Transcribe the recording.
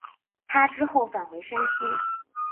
他之后返回山西。